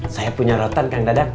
saya punya rotan kak dadang